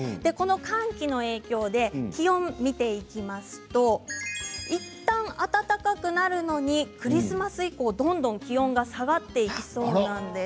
寒気の影響で気温を見ていきますといったん暖かくなるのにクリスマス以降どんどん気温が下がっていきそうなんです。